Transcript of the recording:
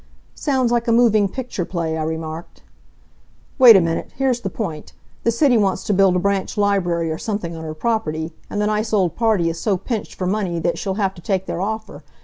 "Sounds like a moving picture play," I remarked. "Wait a minute. Here's the point. The city wants to build a branch library or something on her property, and the nice old party is so pinched for money that she'll have to take their offer.